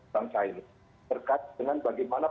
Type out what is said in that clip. terkait dengan bagaimana